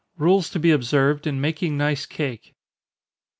_Rules to be observed in making nice Cake.